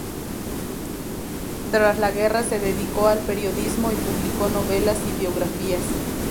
Tras la guerra se dedicó al periodismo y publicó novelas y biografías.